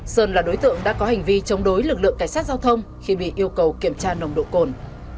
sơn là đối tượng đã có hành vi chống đối lực lượng cảnh sát giao thông khi bị yêu cầu kiểm tra nồng độ cồn